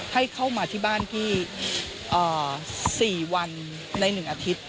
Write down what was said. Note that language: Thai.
ให้เข้ามาที่บ้านพี่๔วันใน๑อาทิตย์